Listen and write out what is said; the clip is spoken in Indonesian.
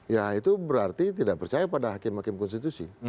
ya itu berarti tidak percaya pada hakim hakim konstitusi